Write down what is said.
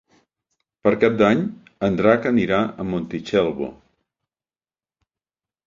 Per Cap d'Any en Drac anirà a Montitxelvo.